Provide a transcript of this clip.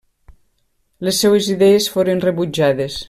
Les seues idees foren rebutjades.